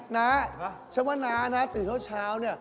น้าฉันว่าน้าน้าตื่นเท่าเช้า